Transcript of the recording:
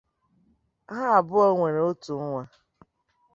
Ha abụọ nwere otu nwa.